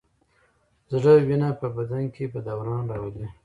زړه وینه په بدن کې په دوران راولي.